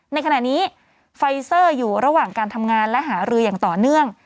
ในขณะนี้ไฟเซอร์อยู่ระหว่างการทำงานและหารืออย่างต่อเนื่อง